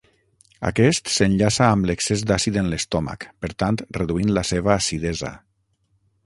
Aquest s'enllaça amb l'excés d'àcid en l'estómac, per tant reduint la seva acidesa.